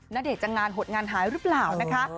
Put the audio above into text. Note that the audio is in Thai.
ณเดชน์จะงานหดงานหายหรือเปล่านะคะ